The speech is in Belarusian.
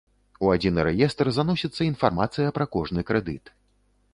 У адзіны рэестр заносіцца інфармацыя пра кожны крэдыт.